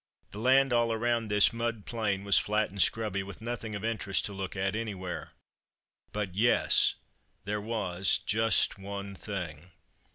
The land all around this mud plain was flat and scrubby, with nothing of interest to look at anywhere. But, yes, there was just one thing.